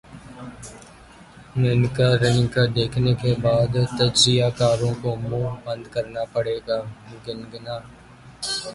منیکارنیکا دیکھنے کے بعد تجزیہ کاروں کو منہ بند کرنا پڑے گا کنگنا